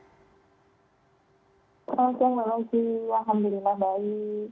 selamat siang maaf alhamdulillah baik